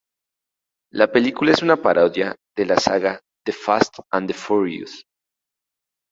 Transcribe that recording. La película es una parodia de la saga "The Fast and the Furious".